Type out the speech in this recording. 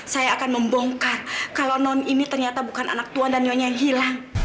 saya akan membongkar kalau non ini ternyata bukan anak tuan dan nyonya yang hilang